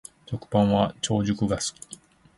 食パンは長熟が好き